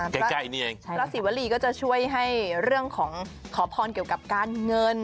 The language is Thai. พระศิวรีก็จะช่วยให้ขออย่างอพรเกี่ยวกับการเงิน